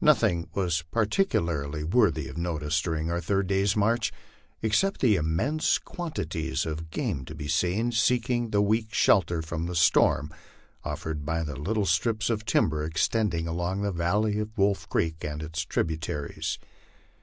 Nothing was particularly worthy of notice during our third day's march, except the immense quantities of game to be seen seeking the weak shelter from the storm offered by the little strips of timber extending along the valleys of Wolf creek and its tributaries.